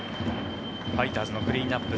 ファイターズのクリーンアップ